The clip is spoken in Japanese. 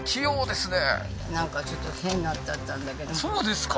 なんかちょっと変になっちゃったんだけどそうですか？